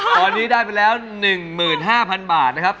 ตอนนี้ได้ไปแล้ว๑๕๐๐๐บาทนะครับ